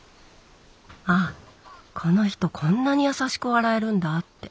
「あこの人こんなに優しく笑えるんだ」って。